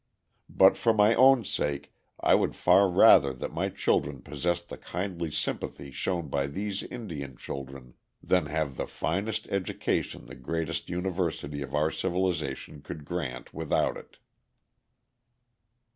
But for my own sake I would far rather that my children possessed the kindly sympathy shown by these Indian children than have the finest education the greatest university of our civilization could grant without it.